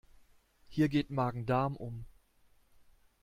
Hier geht Magen-Darm um.